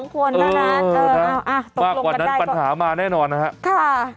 ๒คนแล้วนะเออมากกว่านั้นปัญหามาแน่นอนนะครับ